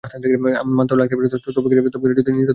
মনে তো লাগতেই পারে– তবে কি না মা যদি নিতান্তই– জগত্তারিণী।